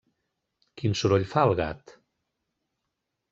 Quin soroll fa el gat?